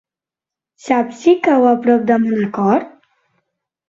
Saps si cau a prop de Manacor?